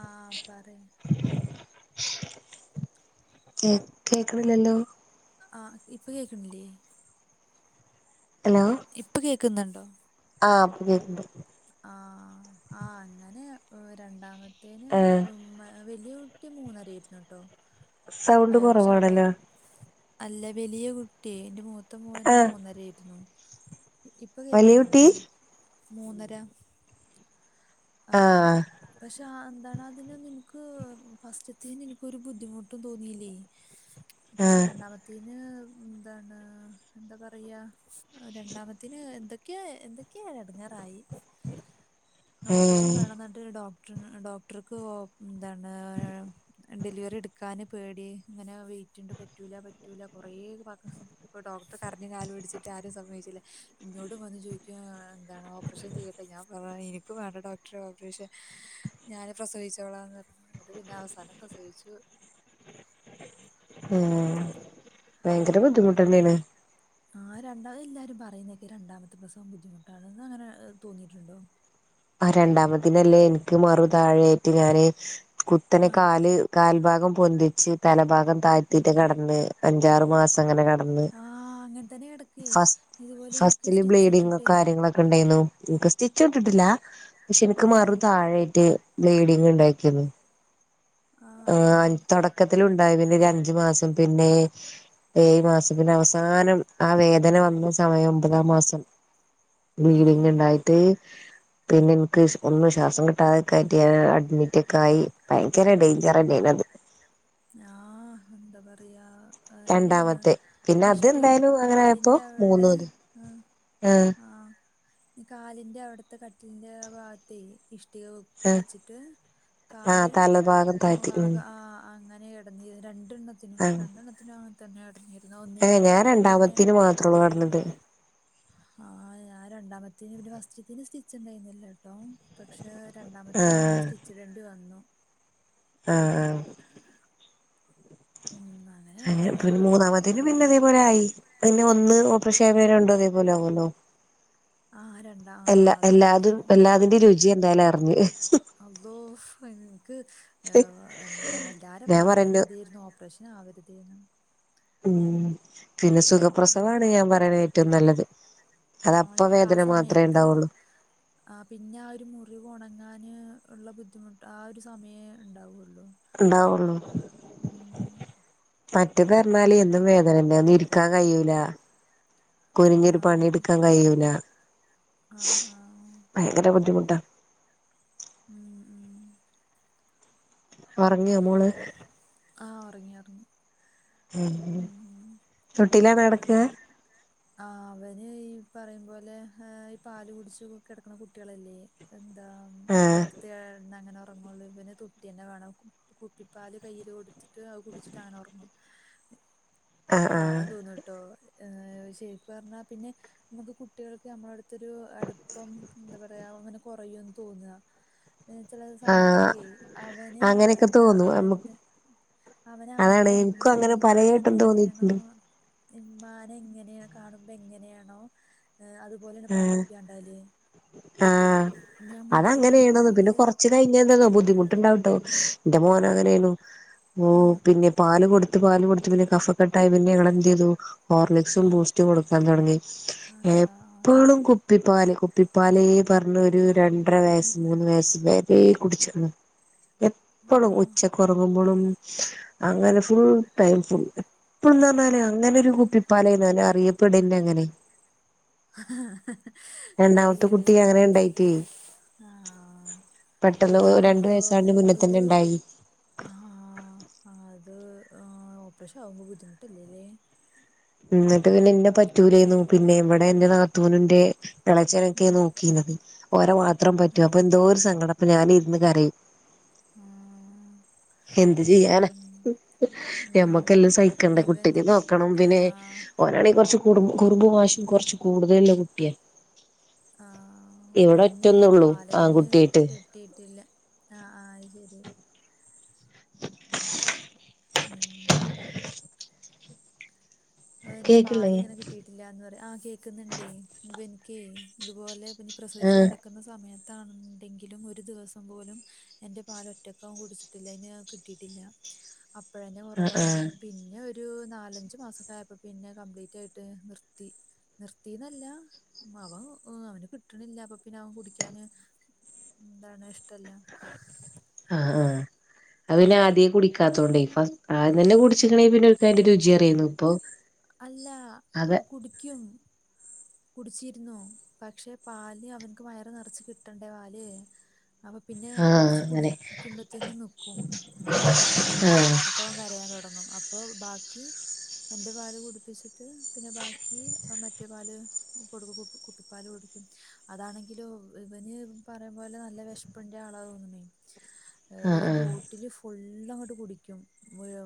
ആ പറ [unintelligible] കേ കേക്കണില്ലല്ലോ ആഹ് ഇപ്പ കേക്കണില്ലേ ഹലോ ഇപ്പൊ കേക്കുന്നുണ്ടോ ആഹ് ഇപ്പോ കേക്കാനുണ്ട് ആ ആ അങ്ങനെ രണ്ടാമത്തേന് ആഹ് ഉം മെ വലിയ കുട്ടി മൂന്നര ആയിരുന്നു കേട്ടോ സൗണ്ട് അയ്യോ പക്ഷെ അവ കുറവാണല്ലോ അല്ല വലിയ കുട്ടി എന്റെ മൂത്ത മോൻ ആഹ് മൂന്നര ആയിരുന്നു ഇപ്പൊ വലിയ കേക്കുന്നുണ്ടോ കുട്ടി മൂന്നര ആഹ് പക്ഷെ എന്താണ് അതിന് നിനക്ക് ഫസ്റ്റതേന് എനിക്കൊരു ബുദ്ധിമുട്ടും തോന്നിയില്ലേ പക്ഷെ ആഹ് രണ്ടാമത്തേന് എന്താണ് എന്താ പറയാ രണ്ടാമത്തിന് എന്തൊക്കെയോ എന്തൊക്കെയോ എടാങ്ങേറായി ഓപ്പറേഷൻ ഏഹ് വേണം എന്നട്ട് ഡോക്ട ഡോക്ടർക്ക് എന്താണ് ഡെലിവറി എടുക്കാന് പേടി ഇങ്ങനെ വെയിറ്റ് ഉണ്ട് പറ്റൂല പറ്റൂല കുറേ ഡോക്ടറെ കരഞ്ഞു കാലും പിടിച്ചിട്ട് ആരും സമ്മതിച്ചില്ല എന്നോട് വന്ന് ചോദിക്കുക എന്താണ് ഓപ്പറേഷൻ ചെയ്യട്ടെന്ന് ഞാൻ പറഞ്ഞു [inaudible] വേണ്ട ഡോക്ടറെ ഓപ്പറേഷൻ ഞാൻ പ്രസവിച്ചോളാന്ന് പറഞ്ഞു എന്നിട്ട് പിന്നെ അവസാനം പ്രസവിച്ചു [unintelligible] ആഹ് [inaudible] ആ രണ്ടാ എല്ലാരും പറയുന്നൊക്കെ രണ്ടാമത്തെ പ്രസവം ബുദ്ധിമുട്ടാണെന്ന് അങ്ങനെ തോന്നിയിട്ടുണ്ടോ ആഹ് രണ്ടാമത്തിന് ലേ എനിക്ക് മറു താഴെ ആയിട്ട് ഞാന് കുത്തനെ ആ കാല് കാൽഭാഗം പൊന്തിച്ച് തലഭാഗം താഴ്ത്തിട്ട് കിടന്ന് അഞ്ചാറ് മാസം അങ്ങനെ കേടാ ആഹ് അങ്ങനെ തന്നെ കിടക്ക്‌ ഇതുപോലെ എനിക്ക് സ്റ്റിച് ഇട്ടിട്ടേ നിങ്ങക്ക് സ്റ്റിച്ച് ഇട്ടിട്ടില്ല പക്ഷെ എനിക്ക് മാറു ആഹ് താഴായിട്ട് ബ്ലീഡിങ് ഇണ്ടാക്കിന്ന് ആഹ് തുടക്കത്തിൽ ഉണ്ടായി പിന്നെ അഞ്ചു മാസം പിന്നെ ഏഴ് മാസം അവസാനം ആ വേദന വന്ന സമയം ഒമ്പതാം മാസം ആഹ് ബ്ലീഡിങ് ആഹ് ഉണ്ടായിട്ട് പിന്നെ എനക്ക് ഒന്നും ശ്വാസം കിട്ടാതോക്കെയായിട്ടു അഡ്മിറ്റൊക്കെ ആയി ഭയങ്കര ഡേഞ്ചറന്നനത് ആഹ് എന്ത പറയാ അതന്നെയാണ് രണ്ടാമത്തെ പിന്നെ അത് ഇഷ്ടി എന്തായാലും അങ്ങനെയപ്പോ കാലിന്റെ അവിടെ മൂന്നൂല് ആഹ് ആഹ് ആഹ് കാലിന്റെ അവിടുത്തെ കട്ടിലിന്റെ ഭാഗത്തേ ഇഷ ഇഷ്ട്ടിക ആഹ് വെച്ചിട്ട് ആഹ് കാല് തലഭാഗം താഴ്ത്തി ഭാഗ ഉം ആഹ് ആഹ് അങ്ങനെ കെടാതിത് രണ്ടെണ്ണത്തിനും രണ്ടെണ്ണത്തിനു അങ്ങനെ തന്നെ കെടാതിത് ആഹ് ഞാൻ രണ്ടാമത്തെൻ മാത്രെ ഒള്ളു കിടെന്നത് ആഹ് ഞാൻ രണ്ടാമതാതിന്നു പിന്നെ ഫസ്റ്റില്ലാതെന് സ്റ്റിച് ഉണ്ടായിരുന്നില്ലേ കേട്ടോ പക്ഷെ രണ്ടാമത്തേന് പിന്നെ ആഹ് സ്റ്റിച് ഇടേണ്ടി വന്നു ആഹ് ആഹ് ഉം അങ്ങനെ അഹ് കിടന്നിരുന്നു പിന്നെ മൂന്നാമത്തിന് നല്ലോണം പിന്നെതേപോലെ ആയി ബുദ്ധിമുട്ടാ പിന്നെ ഒന്ന് പക്ഷേ [unintelligible] അതേപോലെ ആകുമല്ലോ ആ രണ്ടാ ആ എല്ലാ എല്ലാതും അതന്നെയാണ് എല്ലാതിന്റെ രുചി എന്തായാലും അറിഞ്ഞു അള്ളോ എനക്ക് ഞ എല്ലാരും ഞാൻ പ്രാർത്ഥന പറയുന്നു ചെയ്തിരുന്നു ഓപ്പറേഷൻ ആവരുതെന്ന് ഉമ് പിന്നെ ഉം. സുഖപ്രസവമാണ് ഞാൻ പറയണ ഏറ്റവും നല്ലത് ആ അത് അപ്പ നമുക്ക് ആ വേദന മാത്രമേ സമയത്ത് ഉണ്ടാവുള്ളൂ ആ പിന്നെ ആ ഒരു മുറിവ് ഉണങ്ങാന് ഉള്ള ബുദ്ധിമുട്ട് ആ ഒരു സമയേ ഉണ്ടാവുള്ളൂ ഉണ്ടാവുള്ളു ഉം മറ്റേ അതെ പറഞ്ഞാല് എന്നും വേദന ന്നെ ആരിക്കും ക്ക കഴിയൂല ആ കുനിഞ്ഞൊരു പണിടുക്കാൻ കയിയൂല ആ ആ ഭയങ്കര ബുദ്ധിമുട്ടാ. ഉം ഉം ഒറങ്ങിയോ മോള്? ആ ഒറങ്ങി ഒറങ്ങി. ഉം ഉം [inaudible] അവന് ഈ [unintelligible] ഈ പാല് കുടിച്ച് കെടക്ക്ണ കുട്ടോളല്ലേ? ആഹ് അടുത്ത് കെടന്നങ്ങനെ ഒറങ്ങൊള്ളൂ ഇബന്തൊട്ടി തന്നെ വേണം കുപ്പിപ്പാൽ കയ്യിൽ കൊ അത് കുടിച്ചിട്ടങ്ങന ഒറങ്ങും ആഹ് ആഹ് പാവം തോന്നുട്ടോ ആ ശരിക് പറഞ്ഞാ പിന്നെ നമുക്ക് കുട്ടികൾക്ക് നമ്മളടുത്തൊരു അടുപ്പം എന്താ പറയാ [unintelligible] അങ്ങനെ കുറയൂന്ന് തോന്ന ചെല ആഹ് സമയത്തൊക്കെ അവന് അങ്ങനെയൊക്കെ എന്താ തോന്നും നമുക്ക് അവന്റെ അവന് അതാണ് അവൻറെ എനിക്കും അങ്ങനെ ഉമ്മാനെ പലയായിട്ടും എങ്ങനെയാണോ തോന്നിയിട്ടുണ്ട് മ്മാനെ എങ്ങനെയ കാണുമ്പൊ എങ്ങനെയാണോ? അതുപോലൊരു പാൽക്കുപ്പിയ [unintelligible] ആ അതങ്ങനേണ് പിന്നെ കുട്ടികള് കൊറച്ച് കഴിഞ്ഞ ന്താന്നോ ബുദ്ധിമുട്ടിണ്ടാവുട്ടോ. ന്റെ മോനങ്ങനേന്നു ആ പിന്നെ പാല് കൊടുത്ത് പാല് കൊടുത്തു പിന്നെ കഫക്കെട്ടായി പിന്നെ ഞങ്ങളെ ന്തെയ് തു ആ ഹോർലിക്സും ബൂസ്റ്റും കൊടുക്കാൻ തുടങ്ങി അതാ ആ. എപ്പളും കുപ്പി പാല് പാലേ പറഞ്ഞ് ഒരു രണ്ടര വയസ്സ് ഈ- മൂന്ന് വയസ്സസ് വരെ കുടിച്ചി എപ്പളും ആ ഉച്ചക്കുറങ്ങുമ്പളും അങ്ങനെ ഫുൾ ടൈം ഫോ നാലും അങ്ങനൊരു കുപ്പിപ്പാല [unintelligible] അറിയപ്പെടന്നെ എങ്ങനെ. ആ മുത്തകുട്ടി അങ്ങനെ ഇണ്ടായിട്ടേ ഇതെന്നട്ടോ ഒരു ഉണ്ടായി ആ അതെ ആ ഓപ്പറേഷൻ ബുദ്ധിമുട്ടില്ലല്ലേ? ന്നിട്ട് പിന്നെ ന്നെ പറ്റൂലേന്നന്നു പിന്നെ ഇവിടെ എറെ നാത്തൂനീണ്ട് ഇളച്ചനൊക്കെ ഉം നോക്കിന്നത് ഓരെ മാത്രം പറ്റൂ അപ്പൊ എന്തോ ഒരു സങ്കടം അപ്പൊ ഞാനിരുന്ന് കരയും. ആ എന്ത് ചെയ്യാന ഉം ഞമ്മക്കെല്ലാം സഹി കണ്ടെ കുട്ടിനിം ഇവനിക്ക് നോക്കണം പിന്നെ ആഹ് ഒനാണെങ്കിൽ കുറച്ച് കു കുറുമ്പും വാശിം കുറച്ച് കൂടുതലുള്ള കുട്ടിയ. ആഹ് അതന്നെ ഇവൻക്‌ പാലെന്നെ ആൺകുട്ടിയായിട്ട് കിട്ടിയിട്ടില്ല ആ ആ അയ് ശെരി. ഉം കേക്കില്ലേ പാല് ഇങ്ങനെ കിട്ടിയിട്ടില്ലന്ന് പറയാ ആഹ് കേൾക്കുന്നുണ്ടേ ഇവൻക്കെയ് ഇതുപോലെ പ്രസവിച്ചച്ച് ആഹ് കിടക്കുന്ന സമയത്ത്. ങ്കിലും ഒരു ദിവസം പോലും എന്റെ പാൽ ഒറ്റക്കവൻ കുടിച്ചിട്ടില്ല അതിന് അത് കിട്ടിയിട്ടില്ല. അപ്പഴന്നെ ആഹ് കുറവാണ് ആഹ് പിന്നെ ഒരു നാലഞ്ചു മാസക്ക ആയ പിന്നെ കംപ്ലീറ്റ് ആയിട്ട് നിർത്തി നിർത്തിന്നല്ല അവൻ അവന് കിട്ടണ ഇല്ല അപ്പൊ പിന്നെ അവൻ കുടിക്കാന് എന്താണ് ഇഷ്ടല്ല. ആഹ് ആഹ് അത് പിന്നെ ആദ്യേ കുടിക്കാത്തോണ്ടേ ഫസ്റ്റ് ആദ്യം തന്നെ കുടിച്ചിക്കണെ പിന്നെ ഓൽകതിന്റെ രുചി അറിയുന്നു ഇപ്പൊ അല്ല അതെ കുടിക്കും. കുടിച്ചിരുന്നു പക്ഷെ പാല് അവൻക്ക് വയറ് നിറച്ച് കിട്ടണ്ടേ പാല്. അപ്പം പിന്നെ ആഹ് കൊറച്ച് അങ്ങനെ കുടിക്കുമ്പത്തേന്നും നിക്കും. ഉണ്ടാവില്ലേ പിന്നെ ആഹ് അപ്പം ഓൻ കരയാൻ തുടങ്ങും അ പ്പെ ബാക്കി എന്റെ പാല് കുടിപ്പിച്ചിട്ട് പിന്നെ ബാക്കി ആ മറ്റേ പാല് കൊടുക്കും കുപ്പിപ്പാൽ കുടിക്കും അതാണെങ്കിലും ഇവന് പറയും പോലെനല്ല വിഷപ്പ് [unintelligible] ആഹ് ഒരു ആഹ് ബോട്ടിൽ ഫുള്ള് ഫുള്ള് അങ്ങോട്ട് കുടിക്കും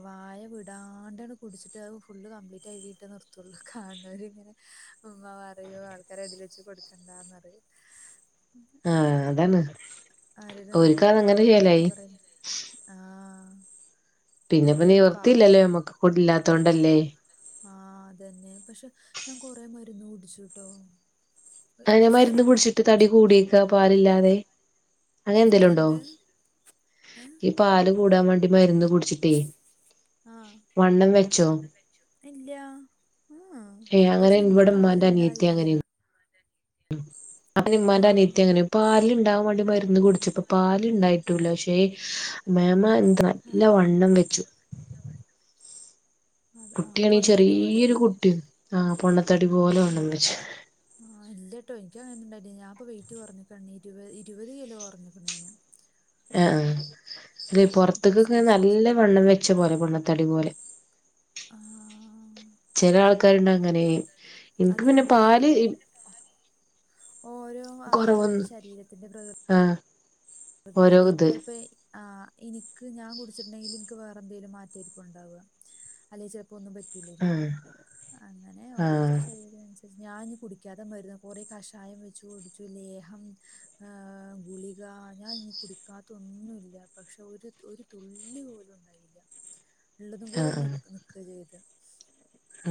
വായ വിടാണ്ട് കുടിച്ചിട്ട് ഔ ഫുൾ കംപ്ലീറ്റ് ആയി കഴിഞ്ഞിട്ടേ നിർത്തൊള്ളൂ കാണുന്നവര് ഇങ്ങനെ ഉമ്മാ പറയോ ആൾക്കാരെ ഇടിയിൽ വെച്ച് കൊടുക്കണ്ട. എന്നത് ആഹ് അതാണ് ആരോര് ഓര്ക്ക് ഇങ്ങനെ അതങ്ങനെ നാവൂര് ഇടന്നൊക്കെ ശീലായി പറയില്ലേ ആഹ് പിന്നെപ്പം എന്നിട്ട് പാവം നിർത്തിയില്ലല്ലോ ഞമ്മക്ക് കുടില്ലാത്തോണ്ടല്ലേ ആഹ് അതന്നെ പക്ഷെ ഞാൻ കൊറെ മരുന്ന് കുടിച്ചുട്ടോ അയ്ന് ഒരു മരുന്ന് കുടിച്ച്ട്ട് മിനിറ്റ്ട്ടോ തടി കൂടിക്കാ പാലില്ലാതെ അങ്ങനെന്തേലുംണ്ടോ എന്ത് ഏ ഈ പാല് കൂടാൻ വേണ്ടി മരുന്ന് കുടിച്ചിട്ടേ ആ വണ്ണം വെച്ചോ ഇല്ല ഉം ഏഹ് അങ്ങനെ പക്ഷെ ൻക്ക് പാല്ണ്ടായില്ല ഉം അപ്പോ മ്മാന്റെ അനിയത്തി അങ്ങനെ പാൽണ്ടാവാൻ വേണ്ടി മരുന്ന് കു ടിച്ചപ്പൊ പാല് ണ്ടായിട്ടൂല്ല പക്ഷേ മേമ ന്താ ആ നല്ല വണ്ണം വെച്ചു അത് ആ കുട്ട്യാണെങ്കി പൊണ്ണത്തടി പോലെ ചെറിയൊരു കുട്ടിം ആ പൊണ്ണത്തടി പോലെ വണ്ണം വെച്ചു ട്ടോ എനിക്കങ്ങനണ്ടായിട്ടൊന്നുല്ല ഞാൻപോ വെയിറ്റ് കൊർഞ്ക്കാണ് ഇരു ഇരുപത് കിലോ കൊർഞ്ക്ക്ണ് ഞാന് ആ ആ അല്ലേ പൊർത്ത്ക്കൊക്കെ ങ്ങനെ പ്രസവിച്ച് നല്ല ശേഷിട്ട് വെണ്ണം വെച്ച പോലെ പെണ്ണത്തടി പോലെ ആ ക്കാരുണ്ടാവുങ്ങനെ ഇൻക്ക് അത് പിന്നെ പാല് എന്തെന്നറിയോ ഓരോ കൊറവൊന്നു ആൾക്കാരെ ശരീരത്തിന്റെ പ്രകൃ ആ ഓരോ തത്തിന് ഇത് ചെലപ്പോ ഏയ്‌ ആ ഇൻക്ക് ഞാൻ കുടിച്ചിട്ടുണ്ടെങ്കിക്ക് വേറെന്തേലും മാറ്റേര്ക്കുണ്ടാവാ അല്ലെങ്കിൽ ചെലപ്പോ ഒന്ന് ആ അങ്ങനെ ആ ഓരോരുത്തരെ ആ ശരീരനുസരി ഞാഞ്ഞിനി കുടിക്കാത മരുന്ന് കൊറേ കഷായം വെച്ച് കുടിച്ചു ലേഹം ഏ ഗുളിക ഞാൻ ഇനി കുടിക്കാത്തന്നൊല്ല പക്ഷെ ഒരു ഒരു തുള്ളി പോലും ണ്ടായില്ല ഉള്ളതുംകൂടി അട്ട് നി നിക്കാ ചെയ്തത് ആ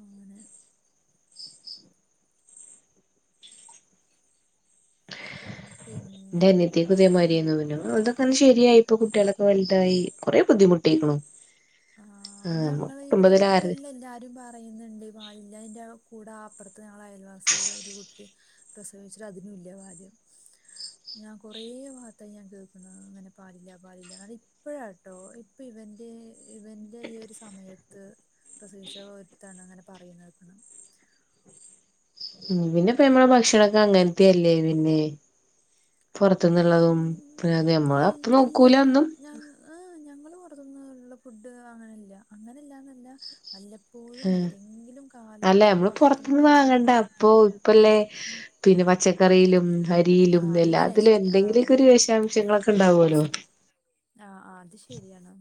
അങ്ങനെ ഉം, ന്റെ പിന്നെ അനിയത്തിക്കും ഇതേ മാരിരേര്ന്നു [unintelligible] ഓളെതൊക്കെ ണ്ട് ശെരിയായി ഇപ്പൊ കുട്ട്യാളൊക്കെ വൽതായി കൊറേ ബുദ്ധിമുട്ടിക്കുണു ആ ഞങ്ങളെ ഇവിടെ ഇപ്പ ഇല്ലേ എല്ലാരും പറയ്ണ്ട് പാലില്ലല്ല കൂടെ അപ്പർത്ത് ഞങ്ങളെ അയൽവാസിടെ ഒരു കുട്ടി പ്രസവിച്ചിട്ട് അതിനുല്ല പാല് ഞാൻ കൊറേ ഭാത്തായി ഞാൻ കേക്ക്ണ് ഇങ്ങനെ പാലില്ല പാലില്ല അത് ഇപ്പഴാട്ടോ ഇപ്പ ഇവ എന്തെയ്നി? ഇവന്റെ ഈ ഒര് സമയത്ത് പ്രസവിച്ച ഒര്ത്തണ ങ്ങനെ പറയു [unintelligible] ഉം പിന്നെ പ്പ നമ്മളെ ഭക്ഷണൊക്കങ്ങൻത്ത്യല്ലേ പിന്നെ പോർത്ത്ന്ന്ള്ളതും പിന്നെ അത് നമ്മള ഏയ് പ്പോ നോക്കൂല തൊന്നും പോർത്ത്ന്നു ള്ള ഫുഡ് വാങ്ങേല അങ്ങനെല്ലാന്നല്ല വല്ലപ്പോഴും ഏതെങ്കിലും അല്ല കാലത്ത് നമ്മള് പൊർത്ത്ന്ന് പുറത്തുന്ന് ആരെലും വാങ്ങണ്ട വെരും അപ്പൊ ഇപ്പല്ലേ ഉം പിന്നെ പച്ചക്കറിയിലും അരിയിലും അങ്ങനെ എല്ലാത്തിലും ശരി ആഹ് ആഹ് എന്തെങ്കിലൊക്കൊരു വിഷാംശങ്ങളൊക്കെണ്ടാവോലോ ആഹ് ആഹ് അത് ശെര്യാണ്.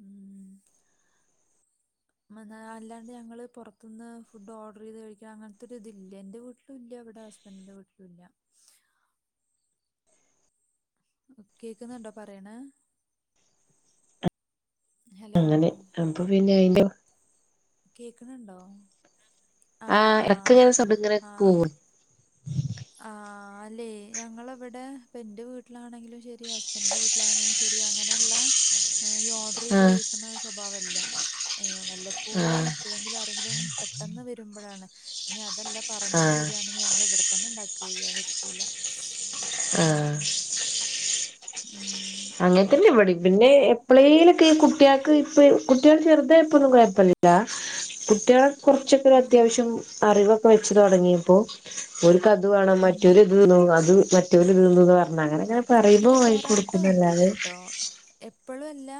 ഉം മന്നാ അല്ലാണ്ട് ഞങ്ങള് പൊർത്ത്ന്ന് ഫുഡ് ഓർഡെറെയ്ത് കഴിക്ക അങ്ങൻത്തൊര് തില്ല ഇൻ്റെ വീട്ടിലുല്ല. ഇവടെ ഹസ്ബൻന്റിന്റെ വീട്ടിലുല്ല. കേക്ക്ന്നുണ്ടോ പറിണേ? അങ്ങനെ അപ്പൊ പിന്നെ അയിന്റെ കേക്ക്ണ് ണ്ടോ? ആഹ് എടക് ങ്ങനെ സൗണ്ട് ങ്ങനെ പോവും. ആഹ് അല്ലേ ഞങ്ങളെ വടെ പ്പൊ ഇന്റെ വീട്ടിലാണെങ്കിലും ശെരി ഹസ്ബൻ്റിന്റെ വീട്ടിലാണെങ്കിലും ശെ രി അങ്ങനെള്ള ഈ ഓർഡെറെയ്ത് ആഹ് കഴിക്ക്ണെ സ്വഭാവല്ല. അയ്യോ വല്ലപ്പോഴും ആഹ് എപ്പഴെങ്കിലും ആരെങ്കിലും പെട്ടെന്ന് വരുമ്പഴാണ് ഇനി അ തല്ല പറഞ്ഞിട്ട് ആഹ് വെര്യാണെങ്കി ഞങ്ങൾ ഇവടെ തന്നെ ണ്ടാക്കയ്യ വെര്ത്തൂല. ആഹ് ഉം അങ്ങൻത്തന്നെ ഇവടിം പിന്നെ എപ്പളേലൊക്കെ ഈ കുട്ട്യാക്ക് ഇപ്പ കുട്ട്യാള് ചെർതായപ്പോന്നും കൊഴപ്പൊന്നുല്ല കുട്ട്യാള് ഉം, കൊർച്ചക്കൊരത്യാവശ്യം അറിവൊ ക്കെ വെച്ച് തൊടങ്ങിയപ്പോ ഓര്ക്കത് വാണം ഉം. മറ്റൊര് ഇത് തിന്ന്ണു അത് മറ്റോര് തിന്നതാ ഇമ്മാനോട് ഇങ്ങെനെ പറിമ്പോ വാങ്ങി കൊട് ട്ട കൊണ്ട്രിക്കും ട്ടോ എപ്പളും അല്ല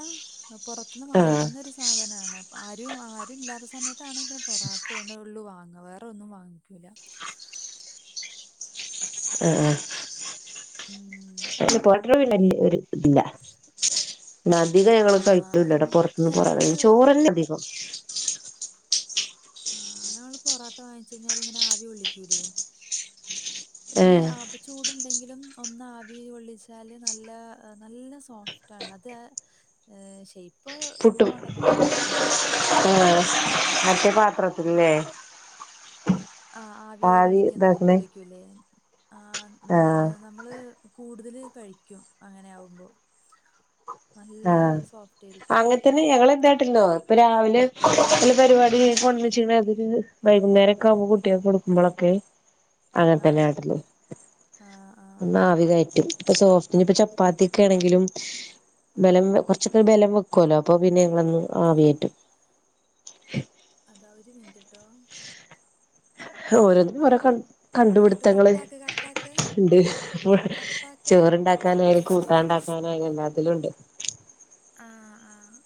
പൊറത്ത്ന്ന് ആഹ് വാങ്ങിക്ക്ന്ന ഒരു സാധനാണ് അപ്പ ആ രും ആരും ഇല്ലാത്ത സമയത്താണെങ്കി പിന്നെ പൊറാട്ടെണ് ഒള്ളു വാങ്ങാ വേറെ ഒന്നും വാങ്ങിക്കൂലാ ആഹ് ആഹ് ഉം, അത് എന്താ പൊറാട്ടനോട് [unintelligible] ഒര് ഇത് ഇല്ലാ പിന്നെ അധികം ഞങ്ങെള് ആ, കഴിക്കുല്ലട്ടോ ഞ- പൊർത്ത്ന്ന് ഞങ്ങള് കൊറവെന്നെ ചോറെന്നെ അധികം ആഹ് ഞങ്ങെള് പൊറാട്ട വാങ്ങിച്ച് കഴിഞ്ഞാൽ ഇങ്ങനെ ആവി കൊള്ളിക്കൂലെ ഇഞ്ഞ് ഏഹ് അപ്പ ചൂട് ഇൺ ണ്ടെങ്കിലും ഒന്ന് ആവി കൊള്ളിച്ചാൽ നല്ല നല്ല സോഫ്റ്റാണ് അത് ഏഹ് തെ ഷേപ്പ് പ്പുട്ടും പോവാണ്ട് നോക്കണം കേട്ടോ ഏഹ് മറ്റേ പാ ആഹ് ആവി കൊള്ളിക്ക് കൊള്ളിക്കൂലെ ആഹ് ഇന്താണ് ആഹ് നമ്മള് കൂട്തെൽ കഴിക്കും അങ്ങനെ ആകുമ്പോ ആഹ് അങ്ങെൻ ത്തെന്നെ ഞങ്ങെൾ എന്താ കാട്ടെൽന്നോ ഇപ്പ രാവ് ഉം പരിപാടി [unintelligible] അത് വൈകുന്നേരം ഒക്കെ ആവുമ്പോ കുട്ടികൾക്കെ കൊടുക്കുമ്പോളൊക്കെ ആ അങ്ങനത്തന്നെ ആട്ടുള്ളു ആ ആ ഒന്ന് ആവി കയറ്റും ഇപ്പൊ സോഫ്റ്റിന് ഇപ്പൊ ചപ്പാത്തി ഒക്കെ ആണെങ്കിലും ആ ബലം കൊറച്ചൊക്കെ ബലം വെക്കുവല്ലോ അപ്പൊ പിന്നെ ഞങ്ങളന്ന് ആ ആവി കേറ്റും അതാ ഒരു മിനുറ്റ്ട്ടോ ഓരോനിന്നും ഓരേ കണ്ടു നക്കിട്ട് കട്ട് ആക്ക് കട്ട് ആക്ക് ഉണ്ട് അപ്പ ചോറണ്ടാക്കാനായാലും കൂട്ടാണ്ടാക്കാനായാലും എല്ലാത്തിലും ഉണ്ട് ആഹ് ആഹ്